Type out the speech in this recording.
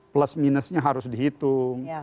plus minusnya harus dihitung